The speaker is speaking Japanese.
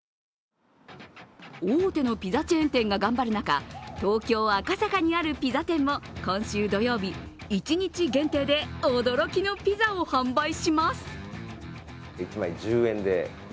大手のピザチェーン店が頑張る中、東京・赤坂にあるピザ店も今週土曜日、一日限定で驚きのピザを販売します。